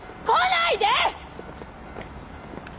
来ないで！